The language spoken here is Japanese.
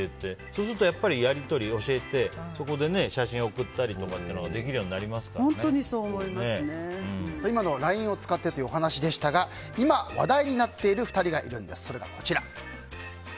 そうすると、やり取りを教えてそこで写真を送ったりとか今のＬＩＮＥを使ってというお話でしたが今、話題になっている２人がいるんです。